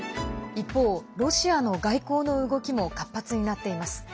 一方、ロシアの外交の動きも活発になっています。